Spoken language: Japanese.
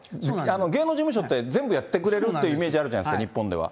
芸能事務所って、全部やってくれるってイメージあるじゃないですか、日本では。